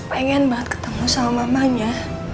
pengen mbak ketemu sama mamanya